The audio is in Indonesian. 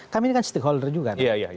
kami ini kan stakeholder juga kan